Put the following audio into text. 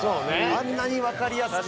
あんなにわかりやすく。